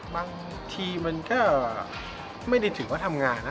บางทีมันก็ไม่ได้ถือว่าทำงานนะ